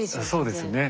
そうですね。